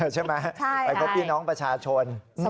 ใช่ไหมไปพบพี่น้องประชาชน